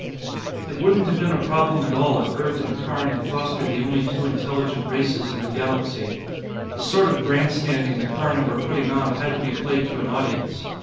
It wouldn't have been a problem at all if Earth and Karn had fostered the only two intelligent races in the galaxy. The sort of grandstanding the Karna were putting on had to be played to an audience.